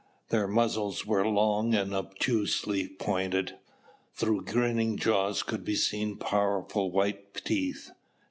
Their muzzles were long and obtusely pointed. Through grinning jaws could be seen powerful white teeth.